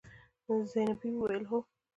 زينبې وويل: هو.